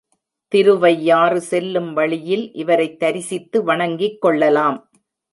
திருவையாறு செல்லும் வழியில் இவரைத் தரிசித்து வணங்கிக் கொள்ளலாம்.